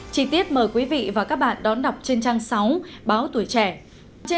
chí tiết mời quý vị và các bạn đón đọc trên trang sáu báo tuổi trẻ